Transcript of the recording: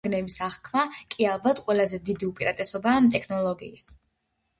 რეალური საგნების აღქმა კი ალბათ ყველაზე დიდი უპირატესობაა ამ ტექნოლოგიის.